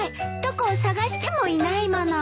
どこを捜してもいないもの。